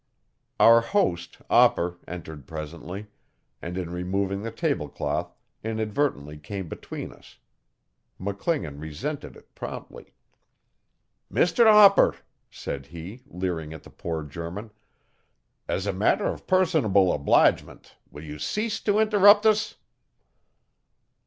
Our host, Opper, entered presently, and in removing the tablecloth inadvertently came between us. McClingan resented it promptly. 'Mr Opper,' said he, leering at the poor German, 'as a matter of personal obligement, will you cease to interrupt us?